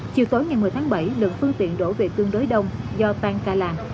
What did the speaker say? chiều tối ngày một mươi tháng bảy lượng phương tiện đổ về tương đối đông do tan ca làng